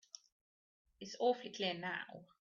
It's awfully clear now.